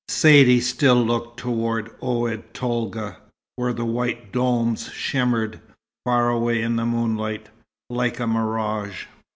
Saidee still looked toward Oued Tolga, where the white domes shimmered, far away in the moonlight, like a mirage.